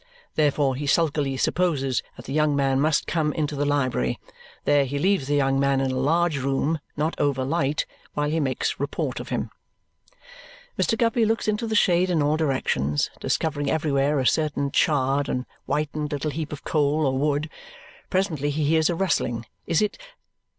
Therefore he sulkily supposes that the young man must come up into the library. There he leaves the young man in a large room, not over light, while he makes report of him. Mr. Guppy looks into the shade in all directions, discovering everywhere a certain charred and whitened little heap of coal or wood. Presently he hears a rustling. Is it